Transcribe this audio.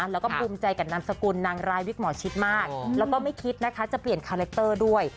แล้วก็ภูมิใจกับนามสกุลนางร้ายวิกหมอชิดมากแล้วก็ไม่คิดนะคะจะเปลี่ยนคาแรคเตอร์ด้วย